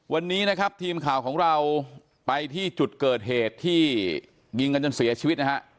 วันนี้นะครับทีมข่าวของเราไปที่จุดเกิดเหตุที่ยิงกันจนเสียชีวิตนะฮะ